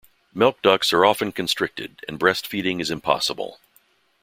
Milk ducts are often constricted and breast feeding is impossible.